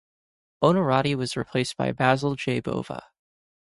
Onorati was replaced by Basil J. Bova.